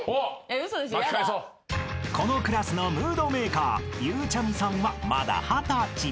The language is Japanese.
［このクラスのムードメーカーゆうちゃみさんはまだ二十歳］